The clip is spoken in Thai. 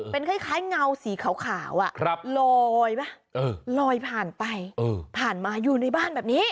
เป็นคล้ายเงาสีขาวลอยป่ะลอยผ่านไปผ่านมาอยู่ในบ้านแบบนี้